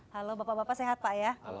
halo bapak bapak sehat pak ya